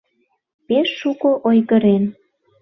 Пеш шуко ойгырен.